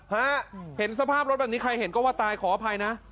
ฮะเห็นสภาพรถแบบนี้ใครเห็นก็ว่าตายขออภัยนะ